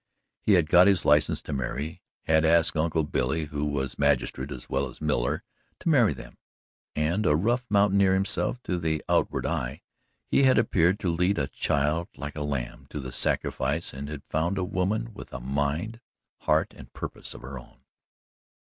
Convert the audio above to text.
He had got his license to marry, had asked Uncle Billy, who was magistrate as well as miller, to marry them, and, a rough mountaineer himself to the outward eye, he had appeared to lead a child like a lamb to the sacrifice and had found a woman with a mind, heart and purpose of her own.